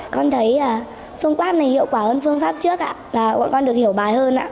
con thấy phương pháp này hiệu quả hơn phương pháp trước ạ là con được hiểu bài hơn ạ